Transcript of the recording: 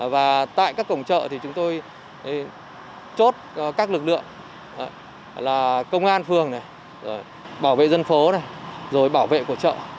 và tại các cổng chợ thì chúng tôi chốt các lực lượng là công an phường bảo vệ dân phố bảo vệ của chợ